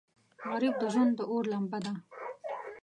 غریب د ژوند د اور لمبه ده